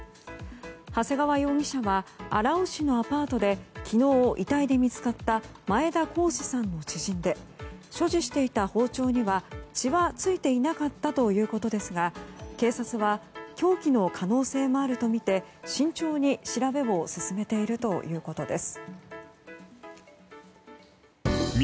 長谷川容疑者は荒尾市のアパートで昨日、遺体で見つかった前田好志さんの知人で所持していた包丁には血は付いていなかったということですが警察は凶器の可能性もあるとみて慎重に調べを進めているということです。